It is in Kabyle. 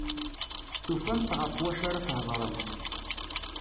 Tufamt ɣef wacu ara thedremt.